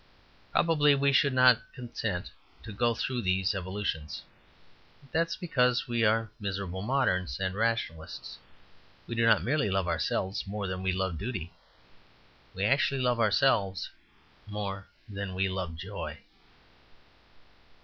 Probably we should not consent to go through these evolutions. But that is because we are miserable moderns and rationalists. We do not merely love ourselves more than we love duty; we actually love ourselves more than we love joy.